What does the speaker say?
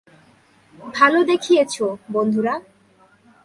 ভালো দেখিয়েছ, বন্ধুরা!